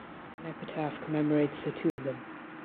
An epitaph commemorates the two of them.